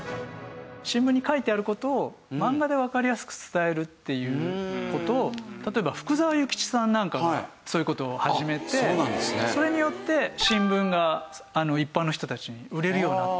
新聞に書いてある事を漫画でわかりやすく伝えるという事を例えば福沢諭吉さんなんかがそういう事を始めてそれによって新聞が一般の人たちに売れるようになった。